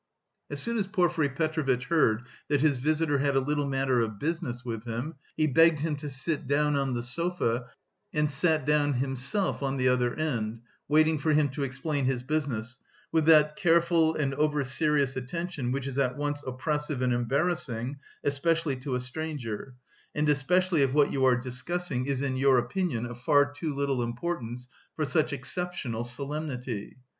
As soon as Porfiry Petrovitch heard that his visitor had a little matter of business with him, he begged him to sit down on the sofa and sat down himself on the other end, waiting for him to explain his business, with that careful and over serious attention which is at once oppressive and embarrassing, especially to a stranger, and especially if what you are discussing is in your opinion of far too little importance for such exceptional solemnity.